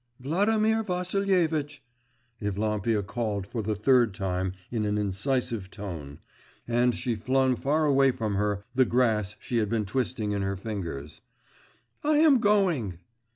'Vladimir Vassilitch!' Evlampia called for the third time in an incisive tone, and she flung far away from her the grass she had been twisting in her fingers, 'I am going!